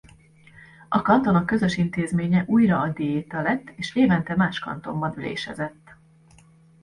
A kantonok közös intézménye újra a diéta lett és évente más kantonban ülésezett.